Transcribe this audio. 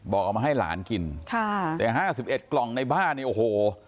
เอามาให้หลานกินค่ะแต่ห้าสิบเอ็ดกล่องในบ้านเนี่ยโอ้โห